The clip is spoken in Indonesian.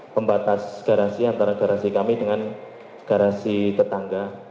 pembatas garasi antara garasi kami dengan garasi tetangga